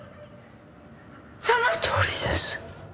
そのとおりです。